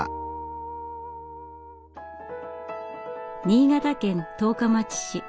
新潟県十日町市。